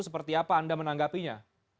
seperti apa anda menanggapinya